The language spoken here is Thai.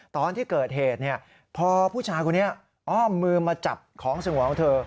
ตอนที่เกิดเหตุพอผู้ชายคนนี้อ้อมมือมาจับของสงวนของเธอ